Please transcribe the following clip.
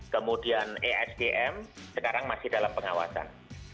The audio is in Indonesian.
kemudian esgm sekarang masih dalam pengawasan